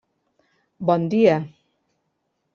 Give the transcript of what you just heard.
Bon dia.